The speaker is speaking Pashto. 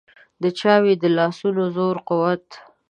د چا وي د لاسونو زور قوت.